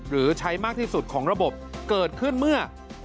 หรือใช้มากที่สุดของระบบเกิดขึ้นเมื่อ